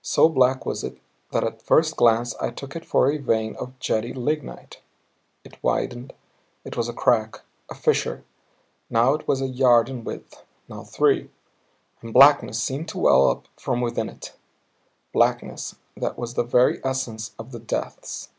So black was it that at first glance I took it for a vein of jetty lignite. It widened. It was a crack, a fissure. Now it was a yard in width, now three, and blackness seemed to well up from within it, blackness that was the very essence of the depths.